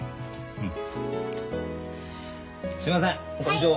うん。